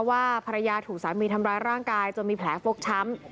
ว่าภรรยาถูกสามีทำร้ายร่างกายจนมีแผลฟกช้ำ